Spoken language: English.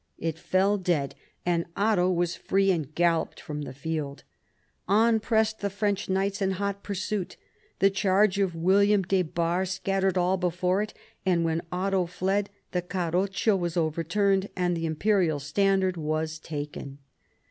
It fell dead, and Otto was free and galloped from the field. On pressed the French knights in hot pursuit. The charge of William des Barres scattered all before it, and when Otto fled the carroccio was overturned and the imperial standard was taken.